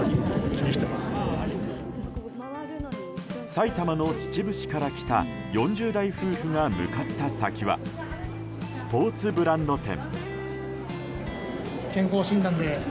埼玉の秩父市から来た４０代夫婦が向かった先はスポーツブランド店。